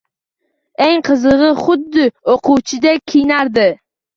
Eng qizigʻi, xuddi oʻquvchidek kiyinardi.